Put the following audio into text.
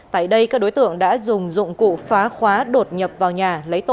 tại đây các đối tượng đã dùng dụng cụ phá khóa đột nhập vào nhà